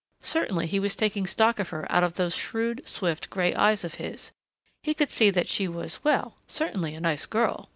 Certainly he was taking stock of her out of those shrewd swift gray eyes of his. He could see that she was, well certainly a nice girl!